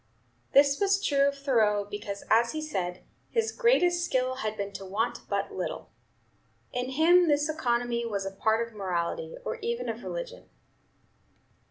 This was true of Thoreau, because, as he said, his "greatest skill had been to want but little." In him this economy was a part of morality, or even of religion.